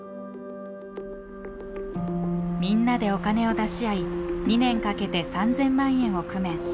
みんなでお金を出し合い２年かけて３，０００万円を工面。